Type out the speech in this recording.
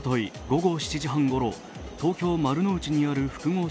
午後７時半ごろ、東京・丸の内にある複合